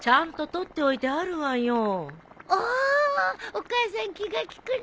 お母さん気が利くね。